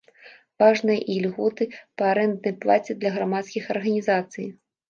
Важныя і льготы па арэнднай плаце для грамадскіх арганізацый.